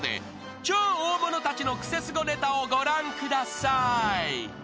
［超大物たちのクセスゴネタをご覧ください］